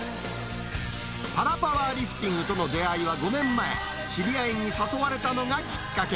パラ・パワーリフティングとの出会いは５年前、知り合いに誘われたのがきっかけ。